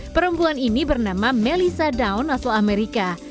perempuan ini bernama melissa down asal amerika